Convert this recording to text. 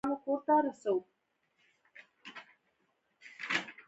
هغه جوړښت چې قدرت د یوې ډلې انحصار کړي.